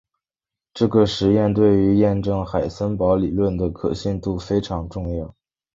这个结果对于验证海森堡理论的可信度非常重要。